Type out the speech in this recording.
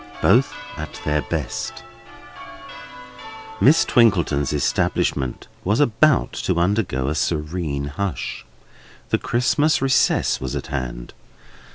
BOTH AT THEIR BEST Miss Twinkleton's establishment was about to undergo a serene hush. The Christmas recess was at hand.